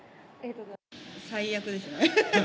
最悪ですね。